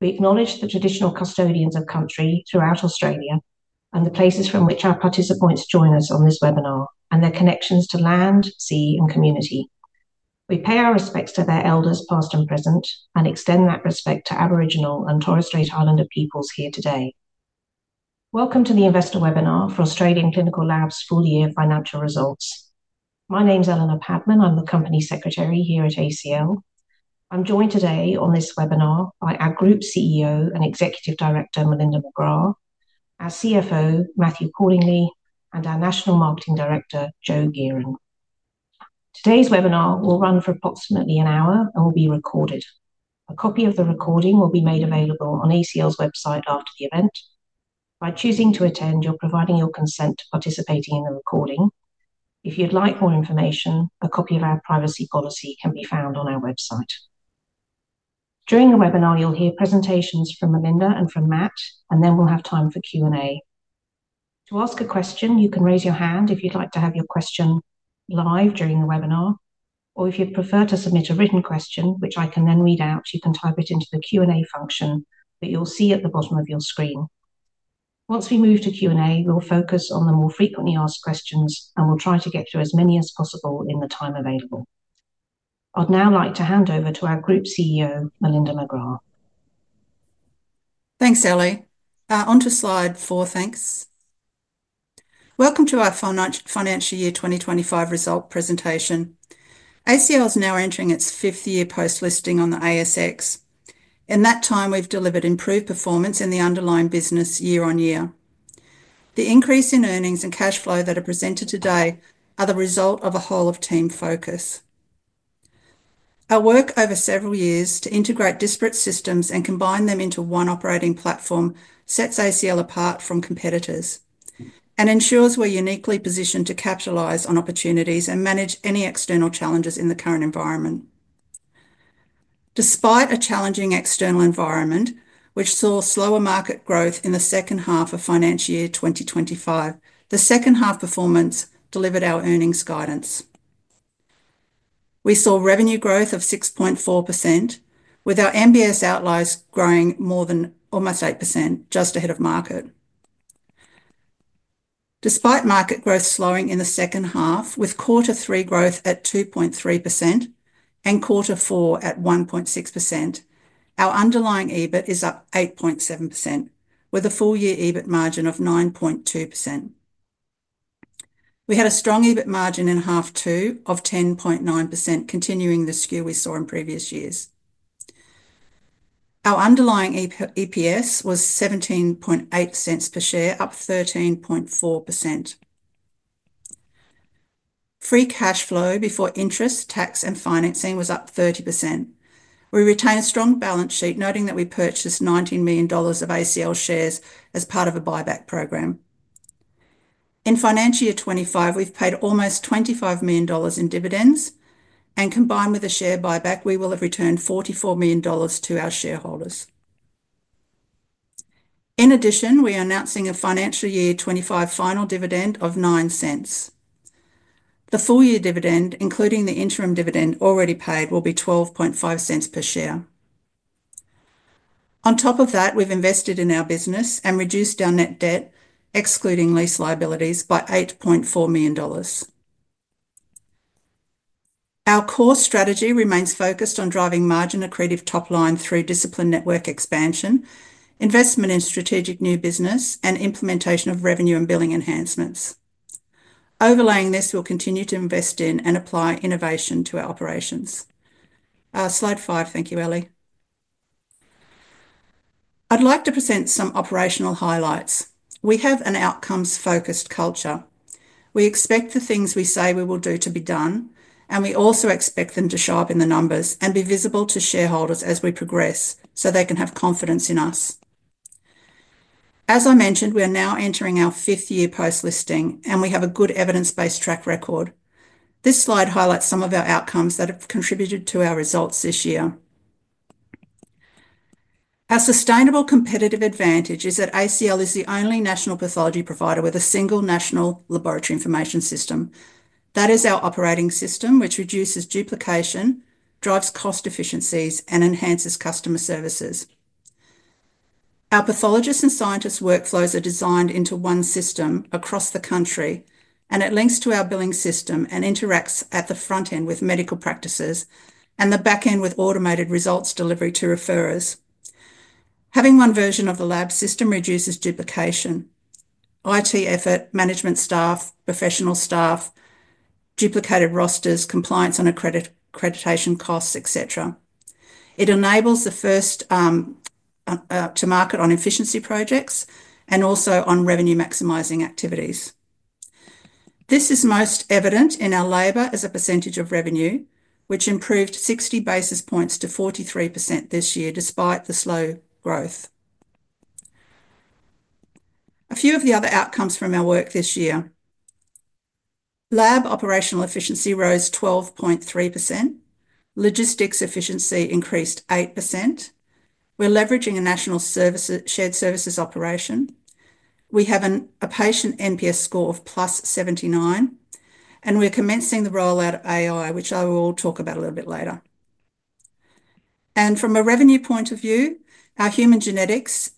We acknowledge the traditional custodians of country throughout Australia and the places from which our participants join us on this webinar and their connections to land, sea, and community. We pay our respects to their elders, past and present, and extend that respect to Aboriginal and Torres Strait Islander peoples here today. Welcome to the Investor Webinar for Australian Clinical Labs' Full Year Financial Results. My name is Eleanor Padman. I'm the Company Secretary here at ACL. I'm joined today on this webinar by our Group CEO and Executive Director, Melinda McGrath, our CFO, Matthew Cordingley, and our National Marketing Director, Joe Geran. Today's webinar will run for approximately an hour and will be recorded. A copy of the recording will be made available on ACL's website after the event. By choosing to attend, you're providing your consent to participate in the recording. If you'd like more information, a copy of our privacy policy can be found on our website. During the webinar, you'll hear presentations from Melinda and from Matt, and then we'll have time for Q&A. To ask a question, you can raise your hand if you'd like to have your question live during the webinar, or if you'd prefer to submit a written question, which I can then read out, you can type it into the Q&A function that you'll see at the bottom of your screen. Once we move to Q&A, we'll focus on the more frequently asked questions, and we'll try to get through as many as possible in the time available. I'd now like to hand over to our Group CEO, Melinda McGrath. Thanks, Ellie. On to slide four, thanks. Welcome to our financial year 2025 result presentation. ACL is now entering its fifth year post-listing on the ASX. In that time, we've delivered improved performance in the underlying business year on year. The increase in earnings and cash flow that are presented today are the result of a whole of team focus. Our work over several years to integrate disparate systems and combine them into one operating platform sets ACL apart from competitors and ensures we're uniquely positioned to capitalize on opportunities and manage any external challenges in the current environment. Despite a challenging external environment, which saw slower market growth in the second half of financial year 2025, the second half performance delivered our earnings guidance. We saw revenue growth of 6.4%, with our MBS outlies growing more than almost 8%, just ahead of market. Despite market growth slowing in the second half, with Q3 growth at 2.3% and Q4 at 1.6%, our underlying EBIT is up 8.7%, with a full year EBIT margin of 9.2%. We had a strong EBIT margin in half two of 10.9%, continuing the skew we saw in previous years. Our underlying EPS was $0.178 per share, up 13.4%. Free cash flow before interest, tax, and financing was up 30%. We retain a strong balance sheet, noting that we purchased $19 million of ACL shares as part of a buyback program. In financial year 2025, we've paid almost $25 million in dividends, and combined with the share buyback, we will have returned $44 million to our shareholders. In addition, we are announcing a financial year 2025 final dividend of $0.09. The full year dividend, including the interim dividend already paid, will be $0.125 per share. On top of that, we've invested in our business and reduced our net debt, excluding lease liabilities, by $8.4 million. Our core strategy remains focused on driving margin-accretive top line through discipline network expansion, investment in strategic new business, and implementation of revenue and billing enhancements. Overlaying this, we'll continue to invest in and apply innovation to our operations. Slide five, thank you, Ellie. I'd like to present some operational highlights. We have an outcomes-focused culture. We expect the things we say we will do to be done, and we also expect them to show up in the numbers and be visible to shareholders as we progress so they can have confidence in us. As I mentioned, we are now entering our fifth year post-listing, and we have a good evidence-based track record. This slide highlights some of our outcomes that have contributed to our results this year. Our sustainable competitive advantage is that ACL is the only national pathology provider with a single national laboratory information system. That is our operating system, which reduces duplication, drives cost efficiencies, and enhances customer services. Our pathologists and scientists' workflows are designed into one system across the country, and it links to our billing system and interacts at the front end with medical practices and the back end with automated results delivery to referrers. Having one version of the lab system reduces duplication: IT effort, management staff, professional staff, duplicated rosters, compliance on accreditation costs, etc. It enables the first to market on efficiency projects and also on revenue maximizing activities. This is most evident in our labor as a percentage of revenue, which improved 60 basis points to 43% this year, despite the slow growth. A few of the other outcomes from our work this year: lab operational efficiency rose 12.3%, logistics efficiency increased 8%. We're leveraging a national shared services operation. We have a patient NPS score of +79, and we're commencing the rollout of AI, which I will talk about a little bit later. From a revenue point of view, in our human genetics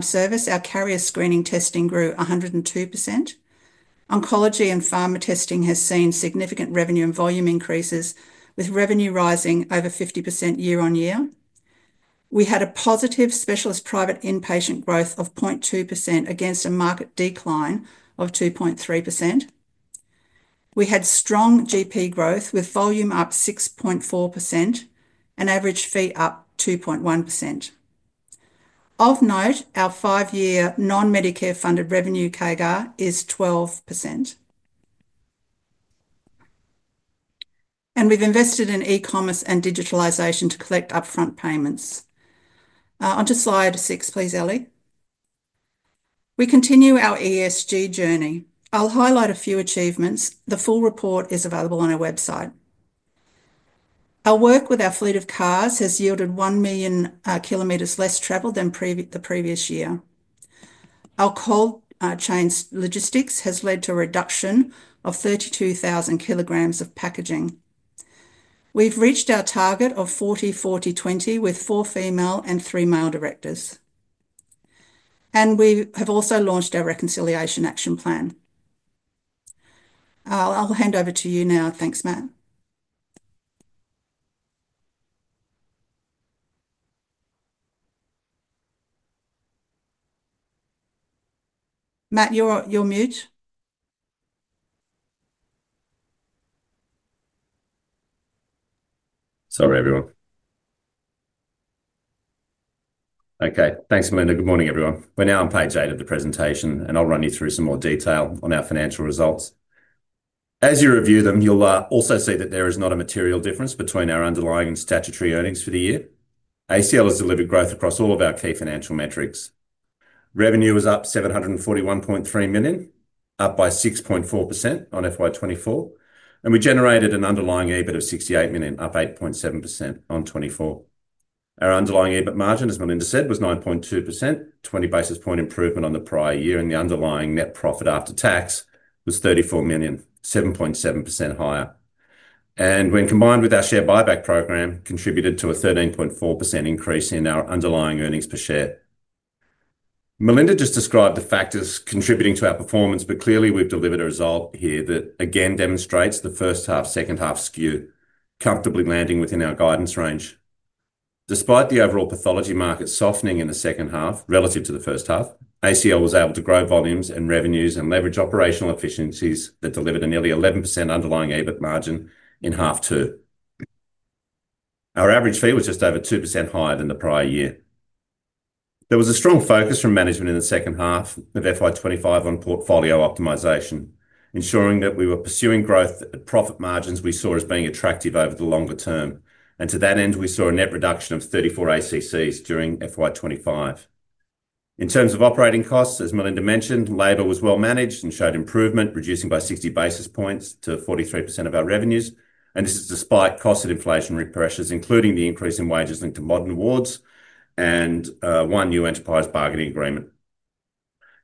service, our carrier screening testing grew 102%. Oncology and pharma testing has seen significant revenue and volume increases, with revenue rising over 50% year on year. We had a positive specialist private inpatient growth of 0.2% against a market decline of 2.3%. We had strong GP growth, with volume up 6.4% and average fee up 2.1%. Of note, our five-year non-Medicare funded revenue CAGR is 12%. We've invested in e-commerce and digitalization to collect upfront payments. On to slide six, please, Ellie. We continue our ESG journey. I'll highlight a few achievements. The full report is available on our website. Our work with our fleet of cars has yielded 1 million kilometers less travel than the previous year. Our cold chain logistics has led to a reduction of 32,000 kg of packaging. We've reached our target of 40/40/20 with four female and three male directors. We have also launched our reconciliation action plan. I'll hand over to you now. Thanks, Matt. Matt, you're mute. Sorry, everyone. Okay, thanks, Melinda. Good morning, everyone. We're now on page eight of the presentation, and I'll run you through some more detail on our financial results. As you review them, you'll also see that there is not a material difference between our underlying statutory earnings for the year. ACL has delivered growth across all of our key financial metrics. Revenue was $741.3 million, up by 6.4% on FY 2024, and we generated an underlying EBIT of $68 million, up 8.7% on 2024. Our underlying EBIT margin, as Melinda said, was 9.2%, a 20 basis point improvement on the prior year, and the underlying net profit after tax was $34 million, 7.7% higher. When combined with our share buyback program, it contributed to a 13.4% increase in our underlying EPS. Melinda just described the factors contributing to our performance, but clearly we've delivered a result here that again demonstrates the first half, second half skew comfortably landing within our guidance range. Despite the overall pathology market softening in the second half relative to the first half, ACL was able to grow volumes and revenues and leverage operational efficiencies that delivered a nearly 11% underlying EBIT margin in half two. Our average fee was just over 2% higher than the prior year. There was a strong focus from management in the second half of FY 2025 on portfolio optimization, ensuring that we were pursuing growth at profit margins we saw as being attractive over the longer term. To that end, we saw a net reduction of 34 ACCs during FY 2025. In terms of operating costs, as Melinda mentioned, labor was well managed and showed improvement, reducing by 60 basis points to 43% of our revenues. This is despite cost of inflationary pressures, including the increase in wages linked to modern awards and one new enterprise bargaining agreement.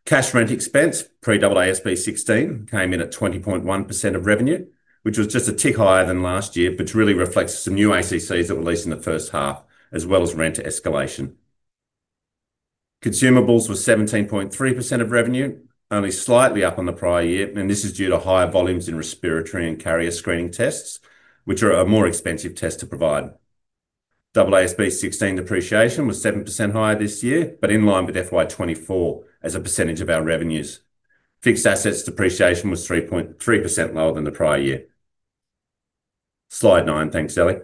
Cash rent expense pre-AASB 16 came in at 20.1% of revenue, which was just a tick higher than last year, but really reflects the new ACCs that were released in the first half, as well as rent escalation. Consumables were 17.3% of revenue, only slightly up on the prior year, and this is due to higher volumes in respiratory and carrier screening tests, which are a more expensive test to provide. AASB 16 depreciation was 7% higher this year, but in line with FY 2024 as a percentage of our revenues. Fixed assets depreciation was 3.3% lower than the prior year. Slide nine, thanks, Ellie.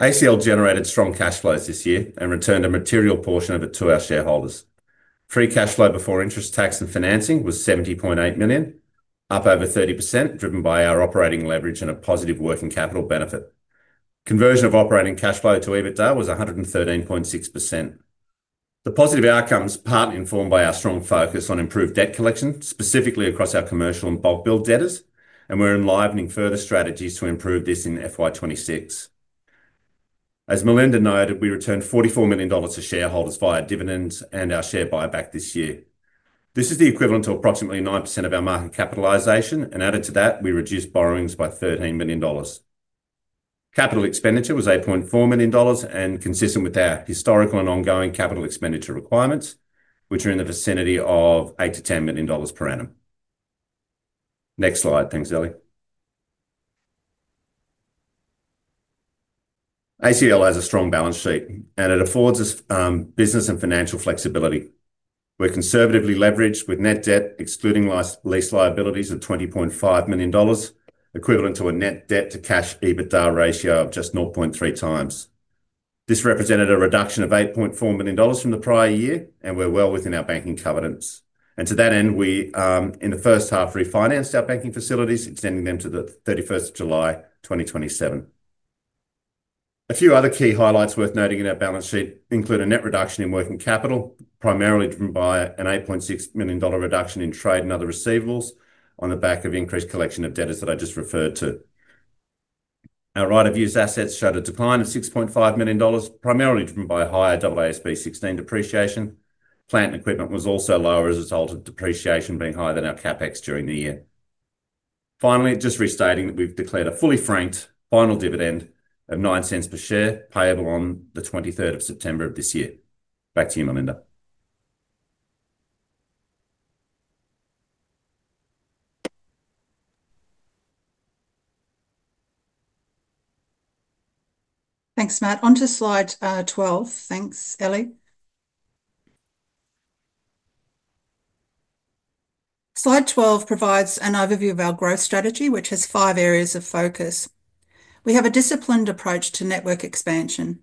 ACL generated strong cash flows this year and returned a material portion of it to our shareholders. Free cash flow before interest, tax, and financing was $70.8 million, up over 30%, driven by our operating leverage and a positive working capital benefit. Conversion of operating cash flow to EBITDA was 113.6%. The positive outcomes are partly informed by our strong focus on improved debt collection, specifically across our commercial and bulk bill debtors, and we're enlivening further strategies to improve this in FY 2026. As Melinda noted, we returned $44 million to shareholders via dividends and our share buyback this year. This is the equivalent to approximately 9% of our market capitalization, and added to that, we reduced borrowings by $13 million. Capital expenditure was $8.4 million, and consistent with our historical and ongoing capital expenditure requirements, which are in the vicinity of $8 million-$10 million per annum. Next slide, thanks, Ellie. ACL has a strong balance sheet, and it affords us business and financial flexibility. We're conservatively leveraged with net debt, excluding lease liabilities, of $20.5 million, equivalent to a net debt-to-cash EBITDA ratio of just 0.3x. This represented a reduction of $8.4 million from the prior year, and we're well within our banking covenants. To that end, we, in the first half, refinanced our banking facilities, extending them to the 31st of July 2027. A few other key highlights worth noting in our balance sheet include a net reduction in working capital, primarily driven by an $8.6 million reduction in trade and other receivables on the back of increased collection of debtors that I just referred to. Our right-of-use assets showed a decline of $6.5 million, primarily driven by a higher AASB 16 depreciation. Plant and equipment was also lower as a result of depreciation being higher than our CapEx during the year. Finally, just restating that we've declared a fully franked final dividend of $0.09 per share, payable on the 23rd of September of this year. Back to you, Melinda. Thanks, Matt. On to slide 12. Thanks, Ellie. Slide 12 provides an overview of our growth strategy, which has five areas of focus. We have a disciplined approach to network expansion.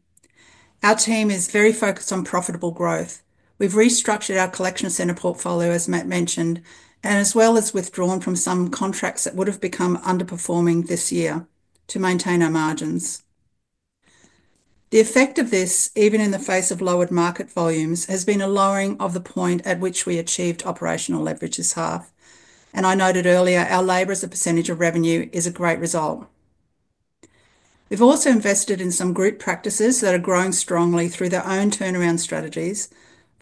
Our team is very focused on profitable growth. We've restructured our collection center portfolio, as Matt mentioned, and as well as withdrawn from some contracts that would have become underperforming this year to maintain our margins. The effect of this, even in the face of lowered market volumes, has been a lowering of the point at which we achieved operational leverage's half. I noted earlier, our labor as a percent of revenue is a great result. We've also invested in some group practices that are growing strongly through their own turnaround strategies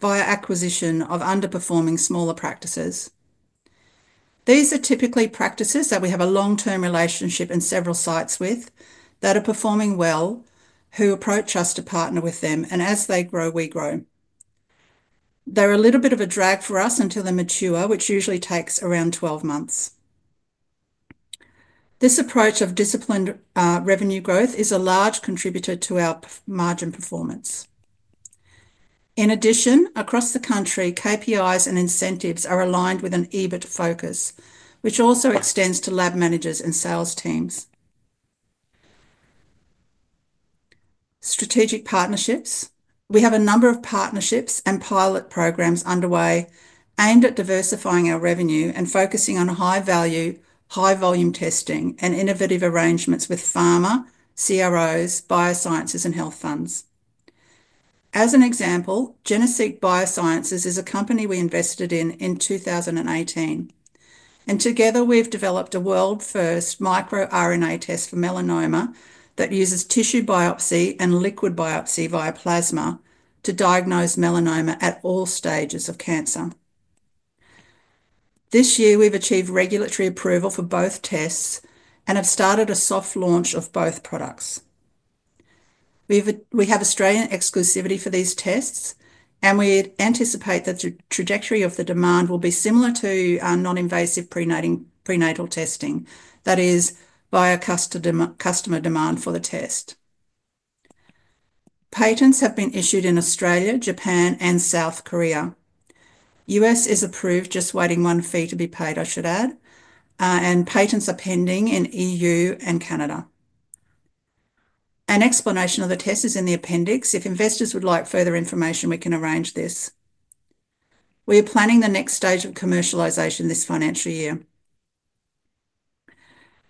via acquisition of underperforming smaller practices. These are typically practices that we have a long-term relationship in several sites with that are performing well, who approach us to partner with them, and as they grow, we grow. They're a little bit of a drag for us until they mature, which usually takes around 12 months. This approach of disciplined revenue growth is a large contributor to our margin performance. In addition, across the country, KPIs and incentives are aligned with an EBIT focus, which also extends to lab managers and sales teams. Strategic partnerships. We have a number of partnerships and pilot programs underway aimed at diversifying our revenue and focusing on high-value, high-volume testing and innovative arrangements with pharma, CROs, biosciences, and health funds. As an example, Geneseq Biosciences is a company we invested in in 2018. Together, we've developed a world-first micro-RNA melanoma that uses tissue biopsy and liquid biopsy via plasma to diagnose melanoma at all stages of cancer. This year, we've achieved regulatory approval for both tests and have started a soft launch of both products. We have Australian exclusivity for these tests, and we anticipate that the trajectory of the demand will be similar to non-invasive prenatal testing, that is, via customer demand for the test. Patents have been issued in Australia, Japan, and South Korea. The U.S. is approved, just waiting one fee to be paid, I should add, and patents are pending in the EU and Canada. An explanation of the test is in the appendix. If investors would like further information, we can arrange this. We are planning the next stage of commercialization this financial year.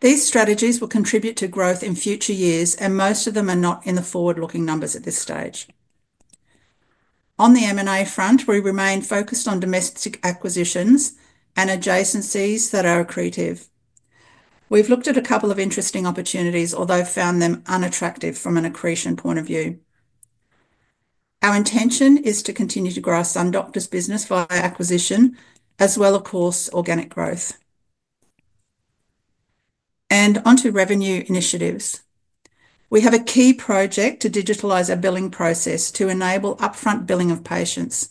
These strategies will contribute to growth in future years, and most of them are not in the forward-looking numbers at this stage. On the M&A front, we remain focused on domestic acquisitions and adjacencies that are accretive. We've looked at a couple of interesting opportunities, although found them unattractive from an accretion point of view. Our intention is to continue to grasp some doctors' business via acquisition, as well, of course, organic growth. Onto revenue initiatives. We have a key project to digitalize our billing process to enable upfront billing of patients.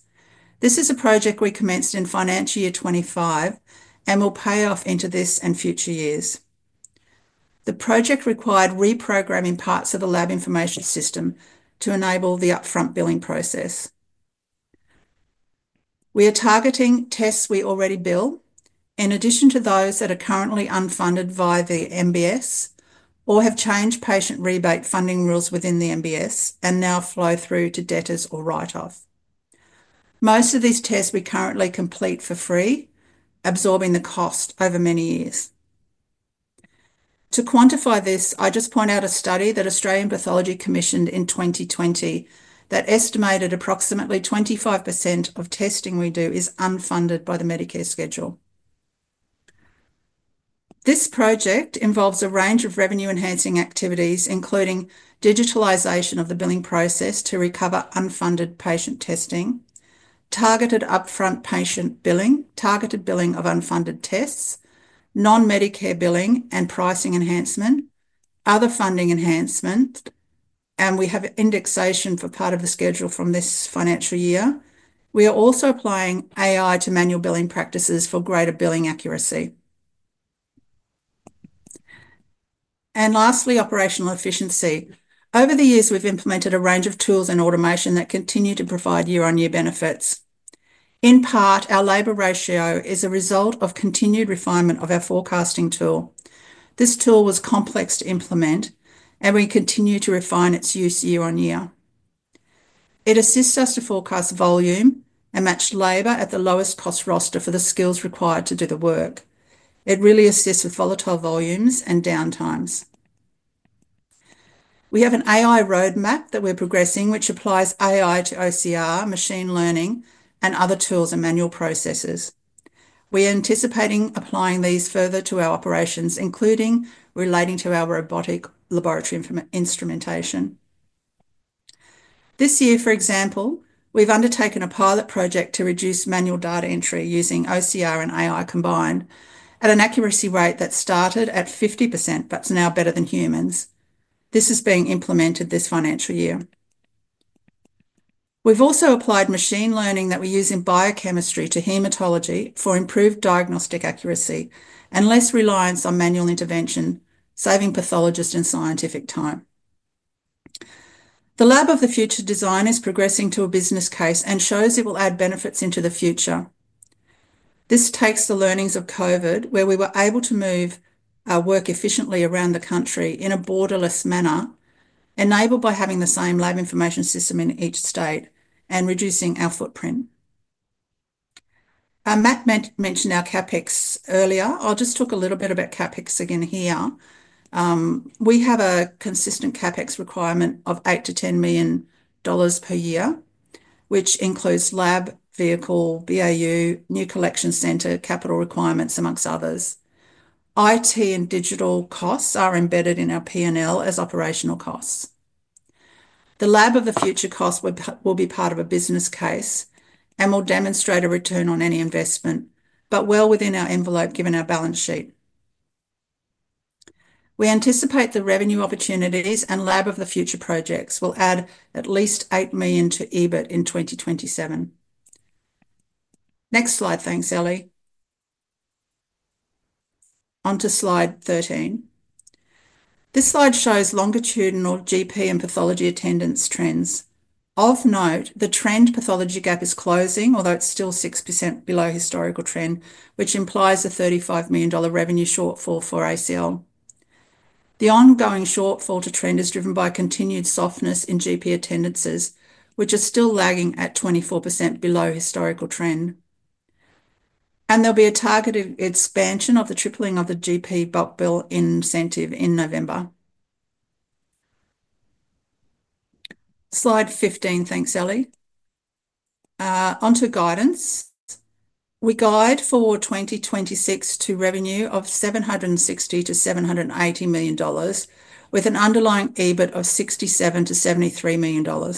This is a project we commenced in financial year 2025 and will pay off into this and future years. The project required reprogramming parts of the laboratory information system to enable the upfront billing process. We are targeting tests we already bill, in addition to those that are currently unfunded via the MBS or have changed patient rebate funding rules within the MBS and now flow through to debtors or write-off. Most of these tests we currently complete for free, absorbing the cost over many years. To quantify this, I just point out a study that Australian Pathology commissioned in 2020 that estimated approximately 25% of testing we do is unfunded by the Medicare schedule. This project involves a range of revenue-enhancing activities, including digitalization of the billing process to recover unfunded patient testing, targeted upfront patient billing, targeted billing of unfunded tests, non-Medicare billing, and pricing enhancement, other funding enhancement, and we have indexation for part of the schedule from this financial year. We are also applying AI to manual billing practices for greater billing accuracy. Lastly, operational efficiency. Over the years, we've implemented a range of tools and automation that continue to provide year-on-year benefits. In part, our labor ratio is a result of continued refinement of our forecasting tool. This tool was complex to implement, and we continue to refine its use year on year. It assists us to forecast volume and match labor at the lowest cost roster for the skills required to do the work. It really assists with volatile volumes and downtimes. We have an AI roadmap that we're progressing, which applies AI to OCR, machine learning, and other tools and manual processes. We are anticipating applying these further to our operations, including relating to our robotic laboratory instrumentation. This year, for example, we've undertaken a pilot project to reduce manual data entry using OCR and AI combined at an accuracy rate that started at 50%, but is now better than humans. This is being implemented this financial year. We've also applied machine learning that we use in biochemistry to haematology for improved diagnostic accuracy and less reliance on manual intervention, saving pathologists and scientific time. The lab of the future design is progressing to a business case and shows it will add benefits into the future. This takes the learnings of COVID, where we were able to move our work efficiently around the country in a borderless manner, enabled by having the same laboratory information system in each state and reducing our footprint. Matt mentioned our CapEx earlier. I'll just talk a little bit about CapEx again here. We have a consistent CapEx requirement of $8 million-$10 million per year, which includes lab, vehicle, BAU, new collection center, capital requirements, amongst others. IT and digital costs are embedded in our P&L as operational costs. The lab of the future cost will be part of a business case and will demonstrate a return on any investment, but well within our envelope given our balance sheet. We anticipate the revenue opportunities and lab of the future projects will add at least $8 million to EBIT in 2027. Next slide, thanks, Ellie. On to slide 13. This slide shows longitudinal GP and pathology attendance trends. Of note, the trend pathology gap is closing, although it's still 6% below historical trend, which implies a $35 million revenue shortfall for ACL. The ongoing shortfall to trend is driven by continued softness in GP attendances, which are still lagging at 24% below historical trend. There will be a targeted expansion of the tripling of the GP bulk bill incentive in November. Slide 15, thanks, Ellie. On to guidance. We guide for 2026 to revenue of $760 million-$780 million, with an underlying EBIT of $67 million-$73 million.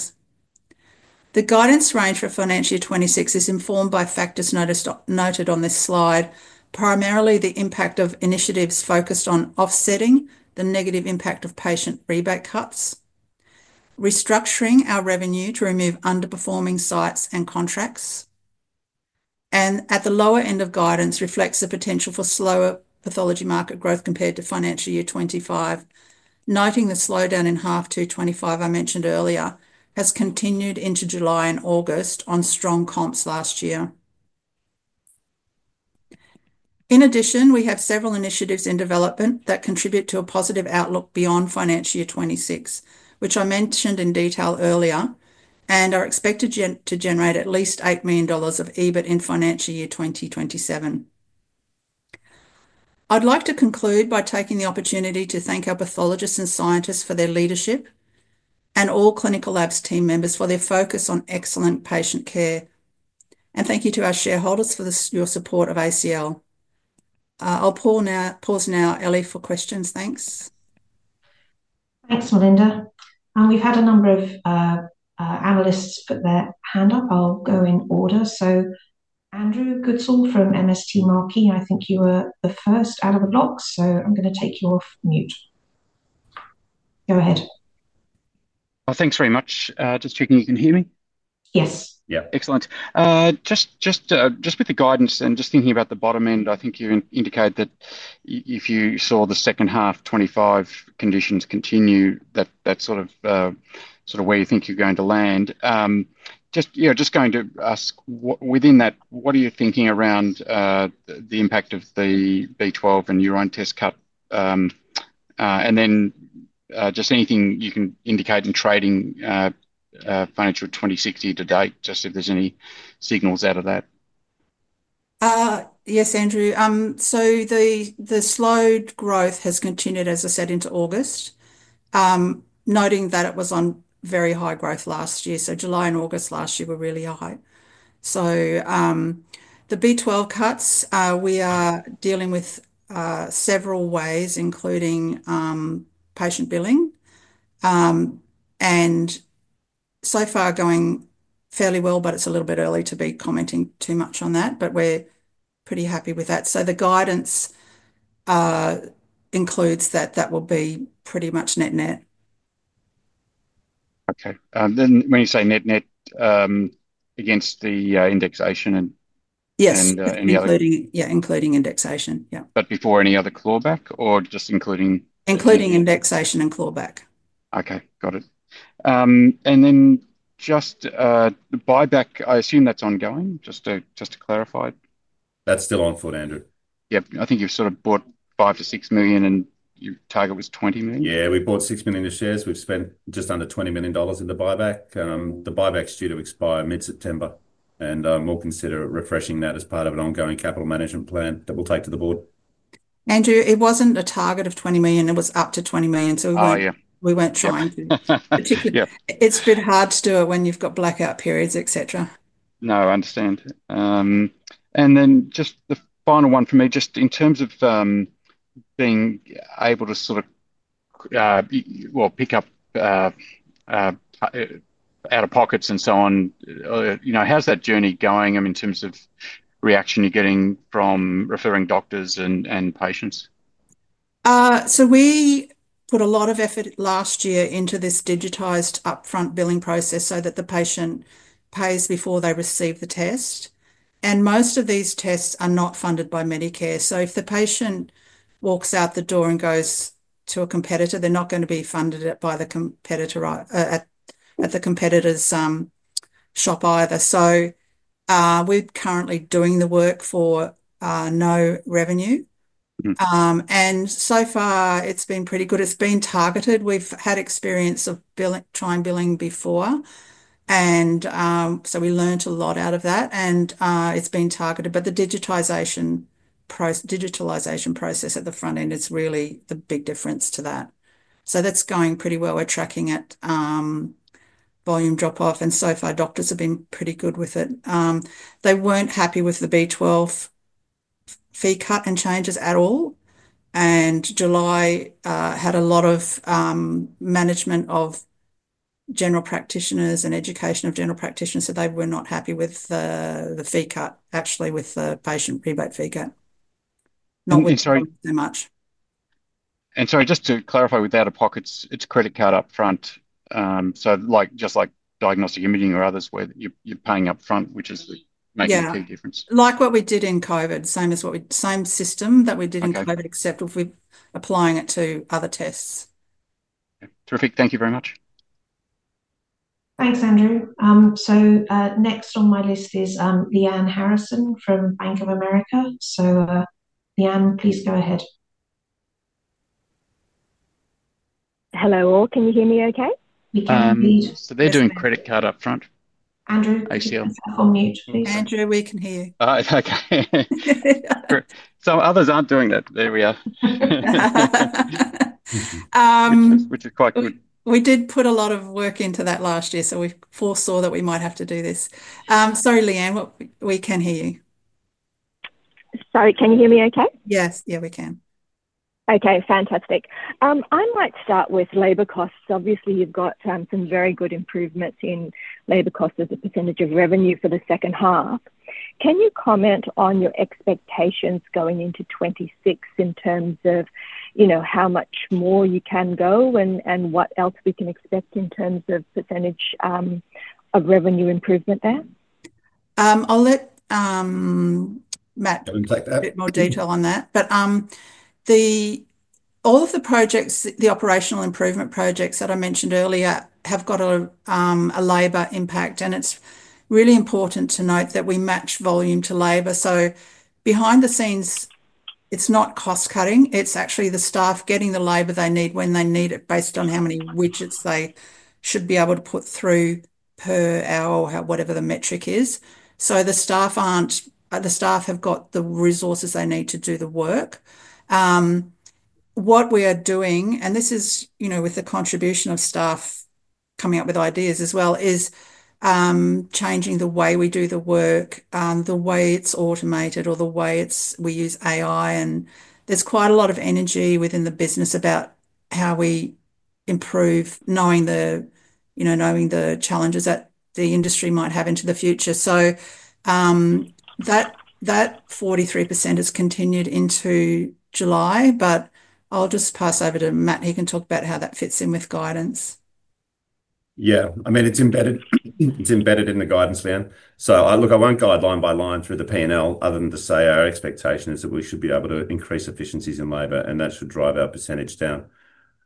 The guidance range for financial year 2026 is informed by factors noted on this slide, primarily the impact of initiatives focused on offsetting the negative impact of patient rebate cuts, restructuring our revenue to remove underperforming sites and contracts. At the lower end of guidance reflects the potential for slower pathology market growth compared to financial year 2025, noting the slowdown in half two, 2025, I mentioned earlier, has continued into July and August on strong comps last year. In addition, we have several initiatives in development that contribute to a positive outlook beyond financial year 2026, which I mentioned in detail earlier, and are expected to generate at least $8 million of EBIT in financial year 2027. I'd like to conclude by taking the opportunity to thank our pathologists and scientists for their leadership and all Clinical Labs team members for their focus on excellent patient care. Thank you to our shareholders for your support of ACL. I'll pause now, Ellie, for questions. Thanks. Thanks, Melinda. We've had a number of analysts put their hand up. I'll go in order. Andrew Goodsall from MST Marquee, I think you were the first out of the blocks, so I'm going to take your mute. Go ahead. Thank you very much. Just checking you can hear me. Yes. Yeah, excellent. Just with the guidance and just thinking about the bottom end, I think you indicated that if you saw the second half, 2025, conditions continue, that's sort of where you think you're going to land. Just going to ask, within that, what are you thinking around the impact of the B12 and urine test cut? And then just anything you can indicate in trading financial year 2026 to date, just if there's any signals out of that. Yes, Andrew. The slowed growth has continued, as I said, into August, noting that it was on very high growth last year. July and August last year were really high. The B12 cuts, we are dealing with several ways, including patient billing, and so far going fairly well, but it's a little bit early to be commenting too much on that, but we're pretty happy with that. The guidance includes that that will be pretty much net net. When you say net net, against the indexation and any other? Yes, including indexation. Yeah. Before any other clawback or just including? Including indexation and clawback. Okay, got it. The buyback, I assume that's ongoing, just to clarify. That's still on for Andrew? Yeah, I think you sort of bought $5 million-$6 million and your target was $20 million? Yeah, we bought six million shares. We've spent just under $20 million in the buyback. The buyback is due to expire mid-September, and we'll consider refreshing that as part of an ongoing capital management plan that we'll take to the board. Andrew, it wasn't a target of $20 million. It was up to $20 million. We weren't trying to. It's a bit hard to do it when you've got blackout periods, etc. No, I understand. Just the final one for me, in terms of being able to sort of pick up out of pockets and so on. How's that journey going? I mean, in terms of reaction you're getting from referring doctors and patients? We put a lot of effort last year into this digitized upfront patient billing process so that the patient pays before they receive the test. Most of these tests are not funded by Medicare. If the patient walks out the door and goes to a competitor, they're not going to be funded by the competitor at the competitor's shop either. We're currently doing the work for no revenue. So far, it's been pretty good. It's been targeted. We've had experience of trying billing before, and we learned a lot out of that, and it's been targeted. The digitalization process at the front end is really the big difference to that. That's going pretty well. We're tracking it, volume drop-off, and so far doctors have been pretty good with it. They weren't happy with the B12 fee cut and changes at all. July had a lot of management of general practitioners and education of general practitioners, so they were not happy with the fee cut, actually with the patient rebate fee cut. Just to clarify, with out of pockets, it's credit card upfront, just like diagnostic imaging or others where you're paying upfront, which is making a big difference. Like what we did in COVID, same as what we, same system that we did in COVID, except we're applying it to other tests. Terrific. Thank you very much. Thanks, Andrew. Next on my list is Lyanne Harrison from Bank of America. Lyanne, please go ahead. Hello all. Can you hear me okay? We can hear you. They're doing credit card upfront. Andrew, please hold mute, please. Andrew, we can hear you. Okay, some others aren't doing it. There we are, which is quite good. We did put a lot of work into that last year, so we foresaw that we might have to do this. Lyanne, we can hear you. Sorry, can you hear me okay? Yes, we can. Okay, fantastic. I might start with labor costs. Obviously, you've got some very good improvements in labor costs as a percent of revenue for the second half. Can you comment on your expectations going into 2026 in terms of, you know, how much more you can go and what else we can expect in terms of percent of revenue improvement there? I'll let Matt. Go and take that. A bit more detail on that. All of the projects, the operational improvement projects that I mentioned earlier, have got a labor impact, and it's really important to note that we match volume to labor. Behind the scenes, it's not cost cutting. It's actually the staff getting the labor they need when they need it based on how many widgets they should be able to put through per hour or whatever the metric is. The staff have got the resources they need to do the work. What we are doing, and this is with the contribution of staff coming up with ideas as well, is changing the way we do the work, the way it's automated, or the way we use AI. There's quite a lot of energy within the business about how we improve, knowing the challenges that the industry might have into the future. That 43% has continued into July, but I'll just pass over to Matt, and he can talk about how that fits in with guidance. Yeah, I mean, it's embedded in the guidance, Lyanne. Look, I won't go line by line through the P&L other than to say our expectation is that we should be able to increase efficiencies in labor, and that should drive our percentage down.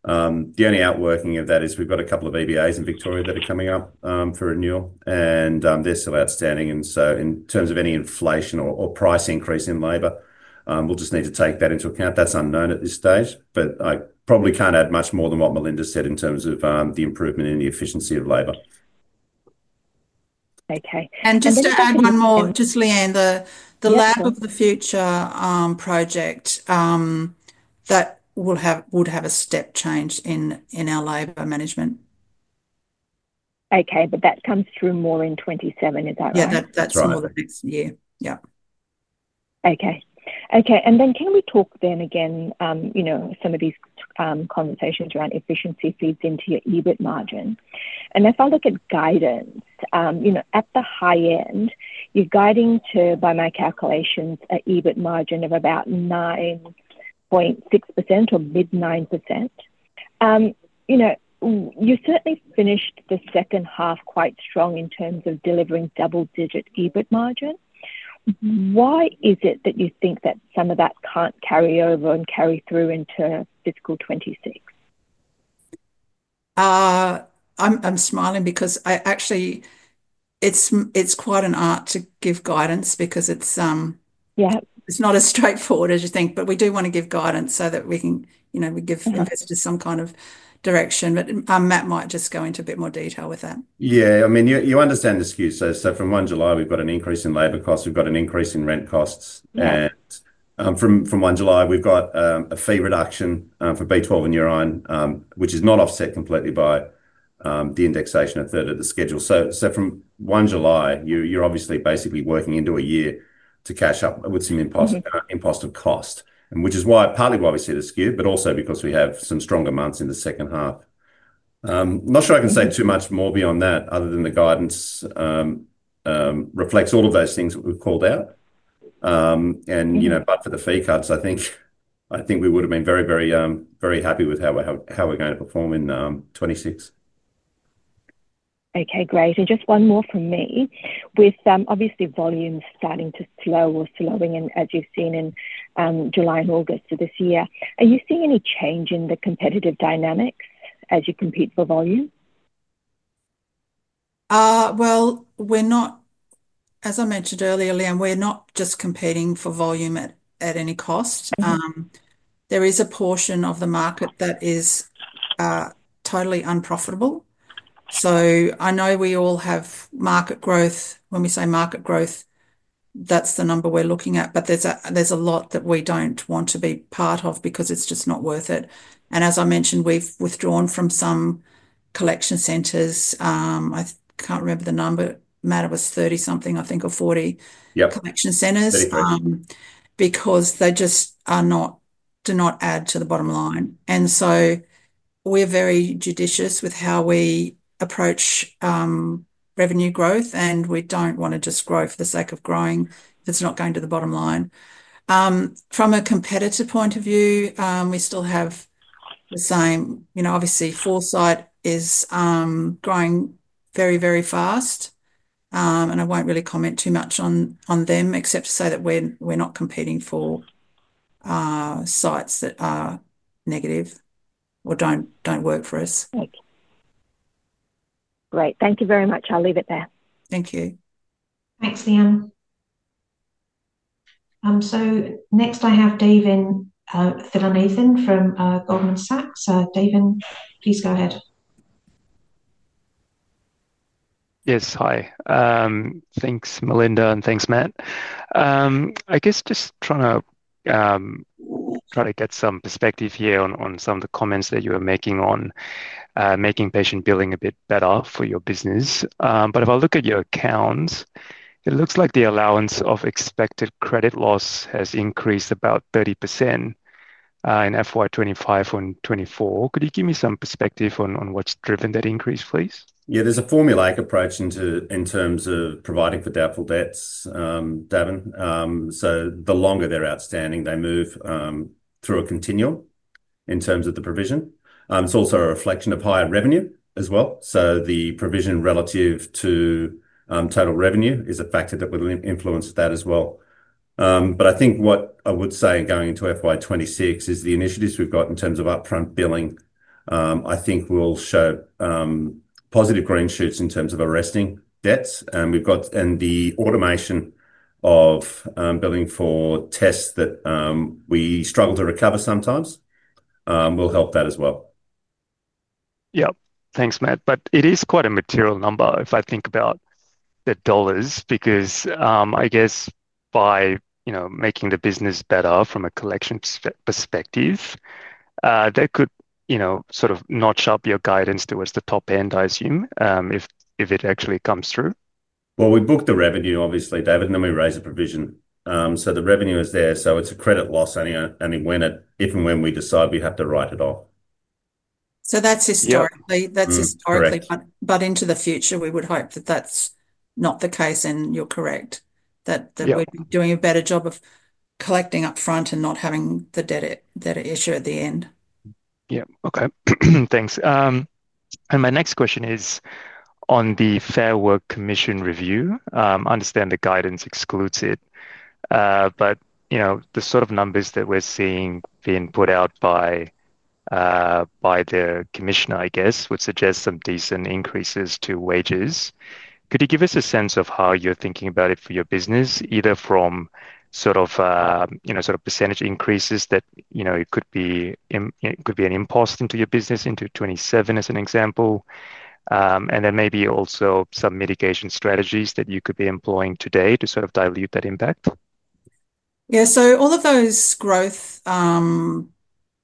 The only outworking of that is we've got a couple of EBAs in Victoria that are coming up for renewal, and they're still outstanding. In terms of any inflation or price increase in labor, we'll just need to take that into account. That's unknown at this stage, but I probably can't add much more than what Melinda said in terms of the improvement in the efficiency of labor. To add one more, just Lyanne, the lab of the future project would have a step change in our labor management. Okay, but that comes through more in 2027, is that right? Yeah, that's more the fixed year. Okay. Can we talk then again, you know, some of these conversations around efficiency feeds into your EBIT margin? If I look at guidance, you know, at the high end, you're guiding to, by my calculations, an EBIT margin of about 9.6% or mid-9%. You certainly finished the second half quite strong in terms of delivering double-digit EBIT margin. Why is it that you think that some of that can't carry over and carry through into fiscal 2026? I'm smiling because I actually, it's quite an art to give guidance because it's not as straightforward as you think. We do want to give guidance so that we can, you know, we give investors some kind of direction. Matt might just go into a bit more detail with that. Yeah, I mean, you understand the skew. From 1 July, we've got an increase in labor costs, we've got an increase in rent costs, and from 1 July, we've got a fee reduction for B12 and urine, which is not offset completely by the indexation of a third of the schedule. From 1 July, you're obviously basically working into a year to catch up with some impostor cost, which is partly why we see the skew, also because we have some stronger months in the second half. I'm not sure I can say too much more beyond that, other than the guidance reflects all of those things that we've called out. You know, but for the fee cuts, I think we would have been very, very, very happy with how we're going to perform in 2026. Okay, great. Just one more from me. With obviously volume starting to slow or slowing, as you've seen in July and August of this year, are you seeing any change in the competitive dynamics as you compete for volume? As I mentioned earlier, Lyanne, we're not just competing for volume at any cost. There is a portion of the market that is totally unprofitable. I know we all have market growth. When we say market growth, that's the number we're looking at, but there's a lot that we don't want to be part of because it's just not worth it. As I mentioned, we've withdrawn from some collection centers. I can't remember the number. Matt, it was 30 something, I think, or 40 collection centers because they just do not add to the bottom line. We're very judicious with how we approach revenue growth, and we don't want to just grow for the sake of growing. It's not going to the bottom line. From a competitor point of view, we still have the same, you know, obviously [Foresight] is growing very, very fast. I won't really comment too much on them except to say that we're not competing for sites that are negative or don't work for us. Great, thank you very much. I'll leave it there. Thank you. Thanks, Lyanne. Next I have Davin Thillainathan from Goldman Sachs. Davin, please go ahead. Yes, hi. Thanks, Melinda, and thanks, Matt. I guess just trying to get some perspective here on some of the comments that you were making on making patient billing a bit better for your business. If I look at your accounts, it looks like the allowance of expected credit loss has increased about 30% in FY 2025 and 2024. Could you give me some perspective on what's driven that increase, please? Yeah, there's a formulaic approach in terms of providing for doubtful debts, Davin. The longer they're outstanding, they move through a continuum in terms of the provision. It's also a reflection of higher revenue as well. The provision relative to total revenue is a factor that would influence that as well. I think what I would say going into FY2026 is the initiatives we've got in terms of upfront billing, I think, will show positive growing shoots in terms of arresting debts. We've got, and the automation of billing for tests that we struggle to recover sometimes will help that as well. Yeah, thanks, Matt. It is quite a material number if I think about the dollars because I guess by making the business better from a collection perspective, that could sort of notch up your guidance towards the top end, I assume, if it actually comes through. We book the revenue, obviously, Davin, and then we raise a provision. The revenue is there, so it's a credit loss only when it, if and when we decide we have to write it off. That's historically, but into the future, we would hope that that's not the case, and you're correct, that we'd be doing a better job of collecting upfront and not having the debtor issue at the end. Okay, thanks. My next question is on the Fair Work Commission review. I understand the guidance excludes it, but the sort of numbers that we're seeing being put out by the commissioner, I guess, would suggest some decent increases to wages. Could you give us a sense of how you're thinking about it for your business, either from sort of percentage increases that it could be, it could be an impost into your business into 2027 as an example, and then maybe also some mitigation strategies that you could be employing today to dilute that impact? Yeah, all of those growth,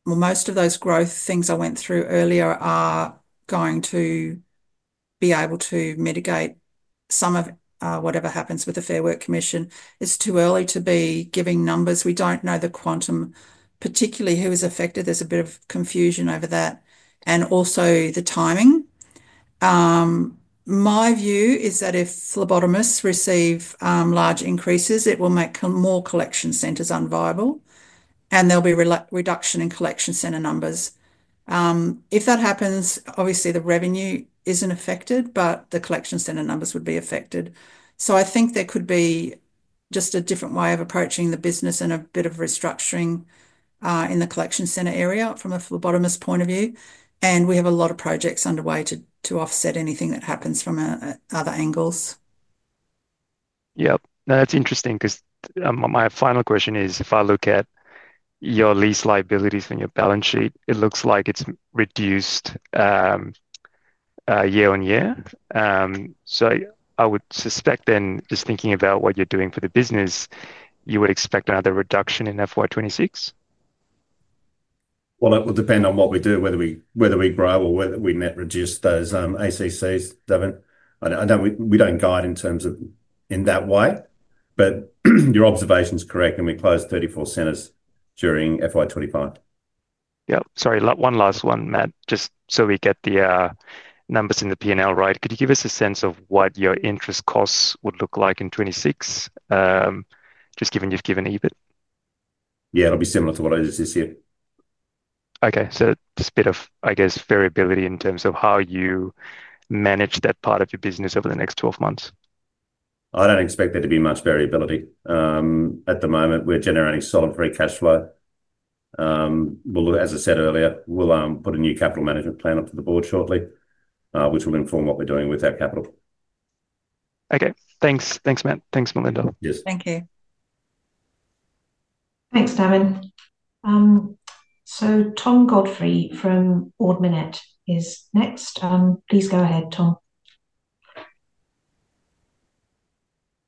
well, most of those growth things I went through earlier are going to be able to mitigate some of whatever happens with the Fair Work Commission. It's too early to be giving numbers. We don't know the quantum, particularly who is affected. There's a bit of confusion over that and also the timing. My view is that if phlebotomists receive large increases, it will make more collection centers unviable, and there'll be a reduction in collection center numbers. If that happens, obviously the revenue isn't affected, but the collection center numbers would be affected. I think there could be just a different way of approaching the business and a bit of restructuring in the collection center area from a phlebotomist's point of view. We have a lot of projects underway to offset anything that happens from other angles. Yeah, that's interesting because my final question is if I look at your lease liabilities on your balance sheet, it looks like it's reduced year on year. I would suspect then just thinking about what you're doing for the business, you would expect another reduction in FY 2026? It will depend on what we do, whether we grow or whether we net reduce those ACCs, Davin. We don't guide in terms of in that way, but your observation is correct, and we closed 34 centers during FY 2025. Yeah, sorry, one last one, Matt, just so we get the numbers in the P&L right. Could you give us a sense of what your interest costs would look like in 2026, just given you've given EBIT? Yeah, it'll be similar to what I did this year. Okay, just a bit of variability in terms of how you manage that part of your business over the next 12 months. I don't expect there to be much variability. At the moment, we're generating solid free cash flow. As I said earlier, we'll put a new capital management plan up to the board shortly, which will inform what we're doing with that capital. Okay, thanks, thanks, Matt. Thanks, Melinda. Yes. Thank you. Thanks, Davin. Tom Godfrey from Ord Minnett is next. Please go ahead, Tom.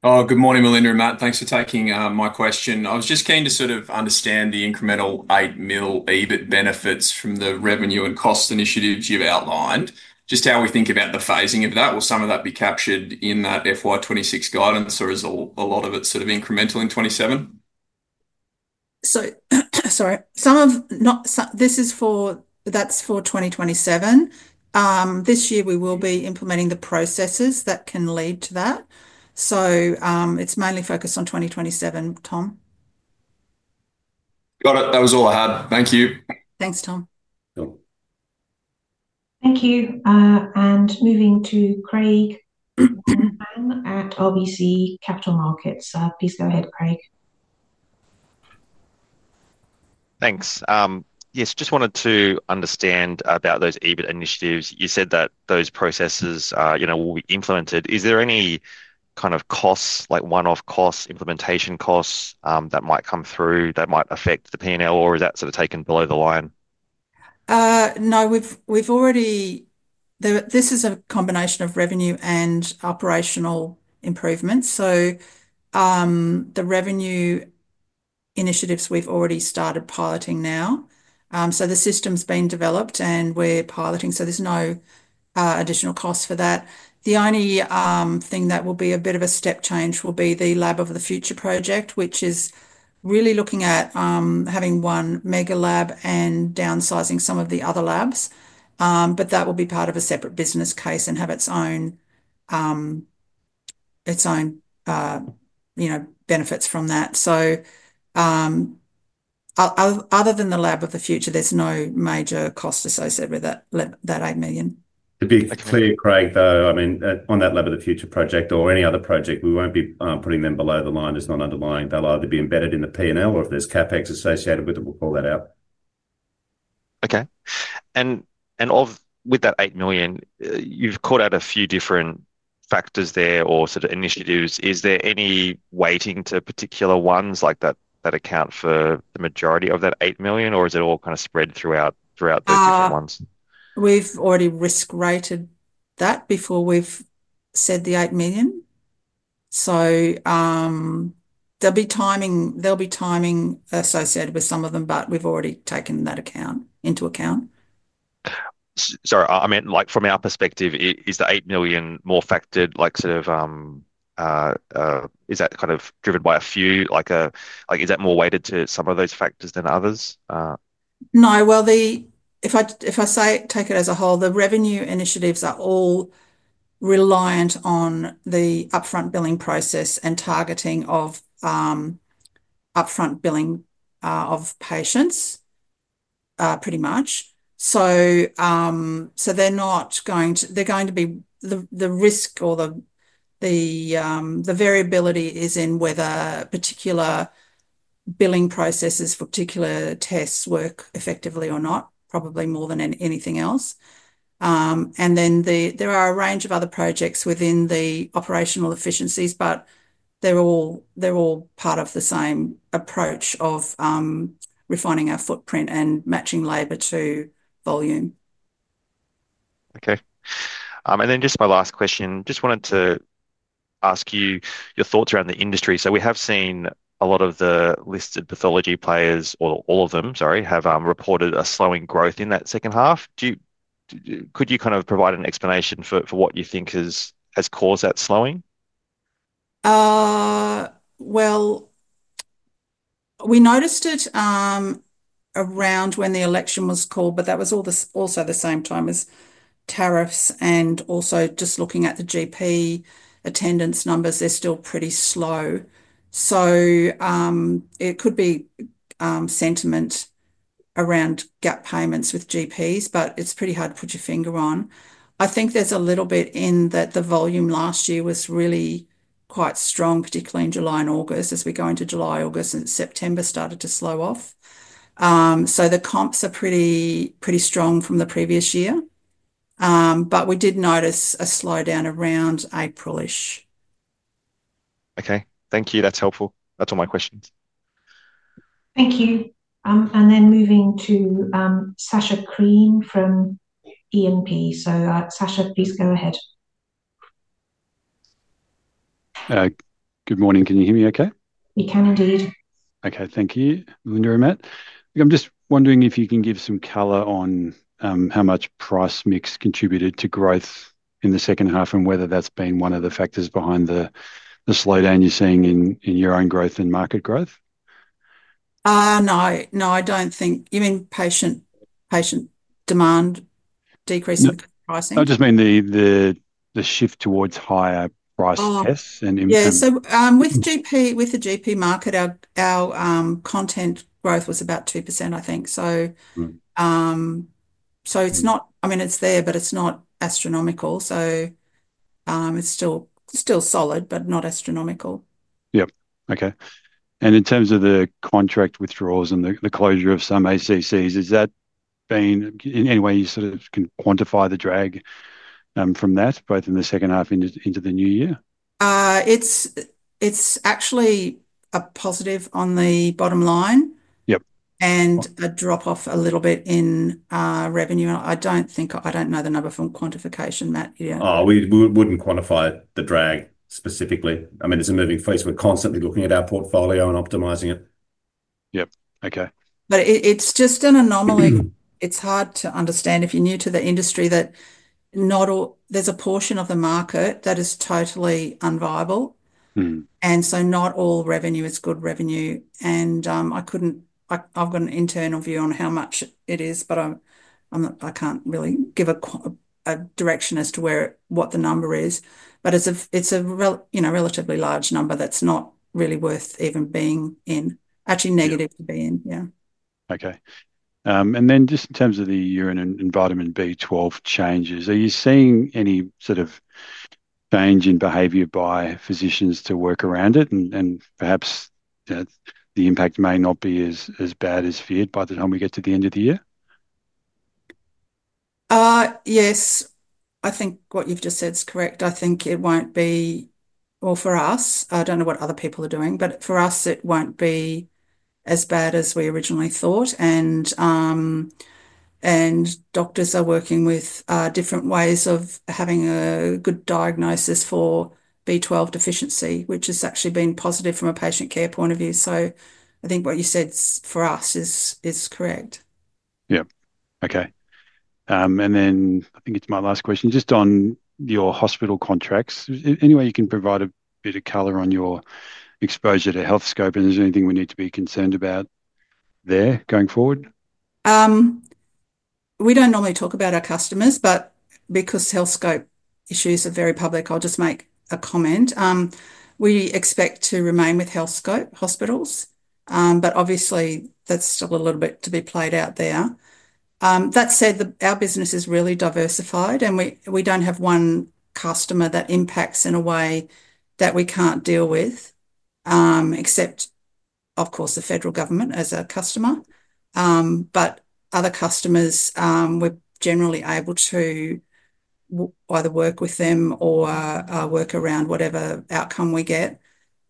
Good morning, Melinda and Matt. Thanks for taking my question. I was just keen to sort of understand the incremental $8 million EBIT benefits from the revenue and cost initiatives you've outlined. Just how we think about the phasing of that. Will some of that be captured in that FY 2026 guidance, or is a lot of it sort of incremental in 2027? Sorry, some of this is for 2027. This year we will be implementing the processes that can lead to that. It's mainly focused on 2027, Tom. Got it. That was all I had. Thank you. Thanks, Tom. Thank you. Moving to Craig [Tenenbaum] at LBC Capital Markets. Please go ahead, Craig. Thanks. Yes, just wanted to understand about those EBIT initiatives. You said that those processes will be implemented. Is there any kind of costs, like one-off costs, implementation costs that might come through that might affect the P&L, or is that sort of taken below the line? No, we've already, this is a combination of revenue and operational improvements. The revenue initiatives we've already started piloting now. The system's been developed and we're piloting, so there's no additional costs for that. The only thing that will be a bit of a step change will be the lab of the future project, which is really looking at having one mega lab and downsizing some of the other labs. That will be part of a separate business case and have its own benefits from that. Other than the lab of the future, there's no major cost associated with that $8 million. To be clear, Craig, on that lab of the future project or any other project, we won't be putting them below the line. There's not underlying, they'll either be embedded in the P&L or if there's CapEx associated with it, we'll call that out. With that $8 million, you've called out a few different factors there or sort of initiatives. Is there any weighting to particular ones like that that account for the majority of that $8 million, or is it all kind of spread throughout the different ones? We've already risk-rated that before we've said the $8 million. There'll be timing associated with some of them, but we've already taken that into account. Sorry, I mean, from our perspective, is the $8 million more factored, is that kind of driven by a few, is that more weighted to some of those factors than others? If I take it as a whole, the revenue initiatives are all reliant on the upfront patient billing process and targeting of upfront billing of patients, pretty much. They're not going to, they're going to be, the risk or the variability is in whether particular billing processes for particular tests work effectively or not, probably more than anything else. There are a range of other projects within the operational efficiencies, but they're all part of the same approach of refining our footprint and matching labor to volume. Okay. Just my last question, just wanted to ask you your thoughts around the industry. We have seen a lot of the listed pathology players, or all of them, sorry, have reported a slowing growth in that second half. Could you kind of provide an explanation for what you think has caused that slowing? We noticed it around when the election was called, but that was also the same time as tariffs, and also just looking at the GP attendance numbers, they're still pretty slow. It could be sentiment around gap payments with GPs, but it's pretty hard to put your finger on. I think there's a little bit in that the volume last year was really quite strong, particularly in July and August, as we go into July, August, and September started to slow off. The comps are pretty strong from the previous year. We did notice a slowdown around April. Okay, thank you. That's helpful. That's all my questions. Thank you. Moving to Sasha Cream from ENP. Sasha, please go ahead. Good morning. Can you hear me okay? You can indeed. Okay, thank you, Melinda and Matt. I'm just wondering if you can give some color on how much price mix contributed to growth in the second half and whether that's been one of the factors behind the slowdown you're seeing in your own growth and market growth. No, I don't think. You mean patient demand decreasing pricing? I just mean the shift towards higher price tests and input. Yeah, with the GP market, our content growth was about 2%. It's not, I mean, it's there, but it's not astronomical. It's still solid, but not astronomical. Okay. In terms of the contract withdrawals and the closure of some ACCs, is that been, in any way, you sort of can quantify the drag from that, both in the second half into the new year? It's actually a positive on the bottom line. Yeah. And a drop-off a little bit in revenue. I don't think, I don't know the number from quantification, Matt. Oh, we wouldn't quantify the drag specifically. I mean, it's a moving piece. We're constantly looking at our portfolio and optimizing it. Yeah, okay. It's just an anomaly. It's hard to understand if you're new to the industry that not all, there's a portion of the market that is totally unviable. Not all revenue is good revenue. I've got an internal view on how much it is, but I can't really give a direction as to what the number is. It's a relatively large number that's not really worth even being in, actually negative to be in, yeah. Okay. In terms of the urine and vitamin B12 changes, are you seeing any sort of change in behavior by physicians to work around it? Perhaps, you know, the impact may not be as bad as feared by the time we get to the end of the year. Yes, I think what you've just said is correct. I think it won't be, for us, I don't know what other people are doing, but for us, it won't be as bad as we originally thought. Doctors are working with different ways of having a good diagnosis for B12 deficiency, which has actually been positive from a patient care point of view. I think what you said for us is correct. Okay. I think it's my last question, just on your hospital contracts. Any way you can provide a bit of color on your exposure to Healthscope, and is there anything we need to be concerned about there going forward? We don't normally talk about our customers, but because Healthscope issues are very public, I'll just make a comment. We expect to remain with Healthscope hospitals, but obviously, that's still a little bit to be played out there. That said, our business is really diversified and we don't have one customer that impacts in a way that we can't deal with, except, of course, the federal government as a customer. Other customers, we're generally able to either work with them or work around whatever outcome we get.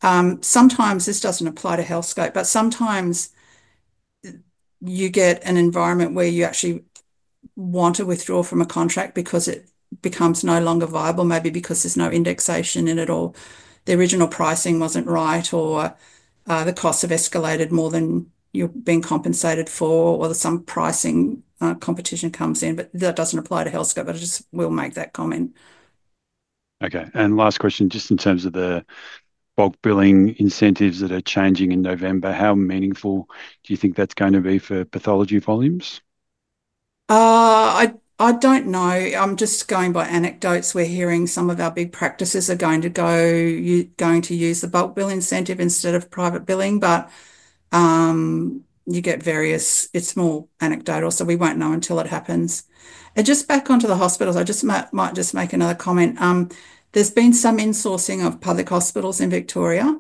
Sometimes this doesn't apply to HealthScope, but sometimes you get an environment where you actually want to withdraw from a contract because it becomes no longer viable, maybe because there's no indexation in it or the original pricing wasn't right or the costs have escalated more than you're being compensated for or some pricing competition comes in. That doesn't apply to Healthscope, but I just will make that comment. Okay. Last question, just in terms of the bulk billing incentives that are changing in November, how meaningful do you think that's going to be for pathology volumes? I don't know. I'm just going by anecdotes. We're hearing some of our big practices are going to go, you're going to use the bulk bill incentive instead of private billing, but you get various, it's more anecdotal, so we won't know until it happens. Just back onto the hospitals, I might make another comment. There's been some insourcing of public hospitals in Victoria,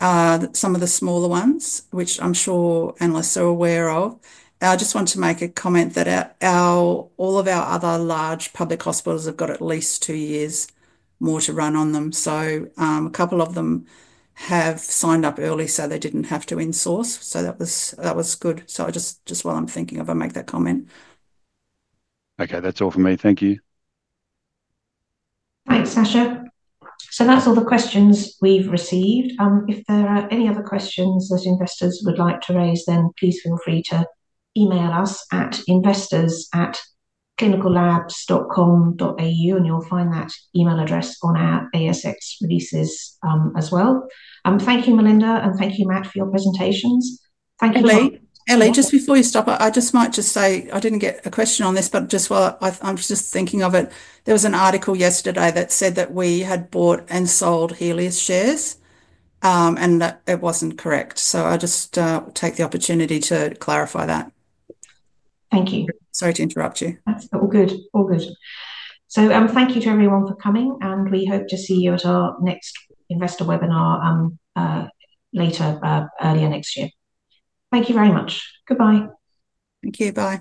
some of the smaller ones, which I'm sure analysts are aware of. I want to make a comment that all of our other large public hospitals have got at least two years more to run on them. A couple of them have signed up early so they didn't have to insource. That was good. Just while I'm thinking of it, I'll make that comment. Okay, that's all for me. Thank you. Thanks, Sasha. That's all the questions we've received. If there are any other questions those investors would like to raise, please feel free to email us at investors@clinicallabs.com.au, and you'll find that email address on our ASX releases as well. Thank you, Melinda, and thank you, Matt, for your presentations. Thank you. Ellie, just before you stop, I might just say, I didn't get a question on this, but just while I'm thinking of it, there was an article yesterday that said that we had bought and sold Healius shares, and that wasn't correct. I just take the opportunity to clarify that. Thank you. Sorry to interrupt you. All good, all good. Thank you to everyone for coming, and we hope to see you at our next investor webinar later, earlier next year. Thank you very much. Goodbye. Thank you. Bye.